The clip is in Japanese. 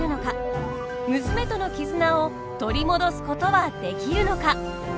娘との絆を取り戻すことはできるのか。